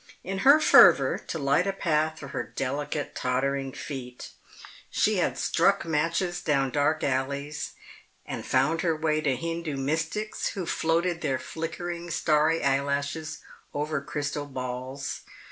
In her fervor to light a path for her delicate, tottering feet, she had struck matches down dark alleys, and found her way to Hindu mystics who floated their flickering, starry eyelashes over crystal balls.